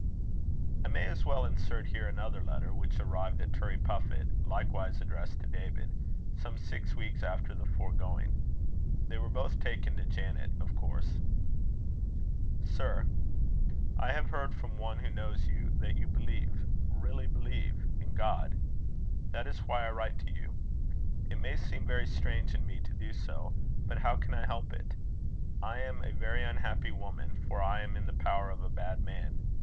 I may as well insert here another letter, which arrived at Turriepuffit, likewise addressed to David, some six weeks after the foregoing. They were both taken to Janet, of course: "SIR, I have heard from one who knows you, that you believe really believe in God. That is why I write to you. It may seem very strange in me to do so, but how can I help it? I am a very unhappy woman, for I am in the power of a bad man.